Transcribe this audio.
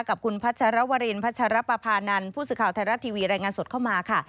กับคุณพัชรวรินพัชรปภานันทร์ผู้สื่อข่าวไทยรัฐทีวีรายงานสดเข้ามาค่ะ